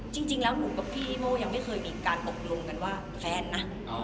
จริงแล้วหนูกับพี่โม่ยังไม่เคยมีการตกลงกันว่าแฟนนะ